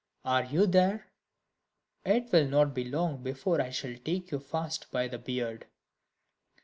are you there? It will not be long before I shall take you fast by the beard."